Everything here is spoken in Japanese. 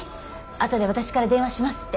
あとで私から電話しますって。